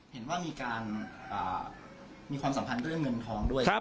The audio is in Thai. เห็นว่ามีการมีความสัมพันธ์เรื่องเงินทองด้วย